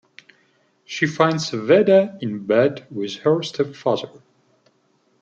She finds Veda in bed with her stepfather.